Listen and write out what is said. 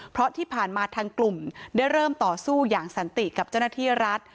เพราะที่ผ่านมาทางกลุ่มได้เริ่มต่อสู้อย่างสันติกับเจ้าหน้าที่รัฐ